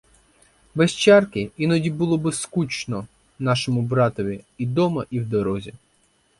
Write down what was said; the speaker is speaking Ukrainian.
Без чарки іноді було би скучно нашому братові і дома і в дорозі.